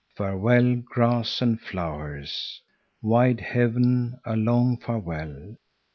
Farewell, grass and flowers! Wide heaven, a long farewell!